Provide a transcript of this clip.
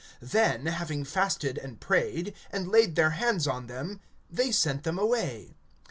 (3)Then, having fasted and prayed, and laid their hands on them, they sent them away.